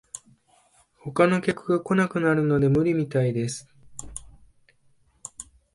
他の客が来なくなるので無理みたいです